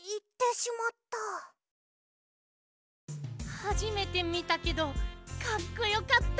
はじめてみたけどかっこよかった。